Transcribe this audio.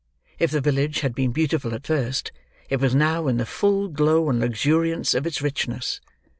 If the village had been beautiful at first it was now in the full glow and luxuriance of its richness.